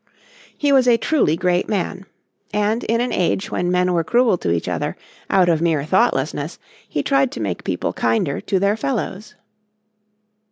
He was a truly great man, and in an age when men were cruel to each other out of mere thoughtlessness he tried to make people kinder to their fellows.